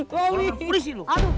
kalau ampunisih lu